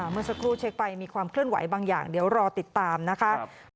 เมื่อสักครู่เช็คไปมีความเคลื่อนไหวบางอย่างเดี๋ยวรอติดตามนะคะ